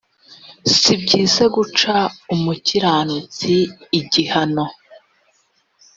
si byiza guca umukiranutsi igihano